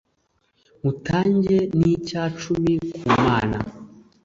mutange n’icya cumi ku mana